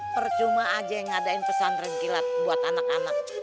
percuma aja yang ngadain pesan ringkilat buat anak anak